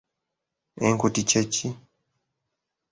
Enkuti kye ki?